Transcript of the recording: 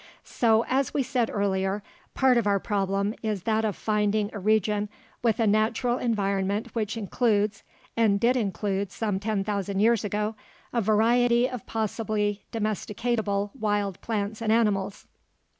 So, as we said earlier, part of our problem is that of finding a region with a natural environment which includes and did include, some ten thousand years ago a variety of possibly domesticable wild plants and animals.